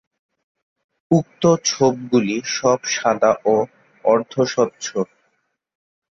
উক্ত ছোপগুলি সব সাদা ও অর্ধ-স্বচ্ছ।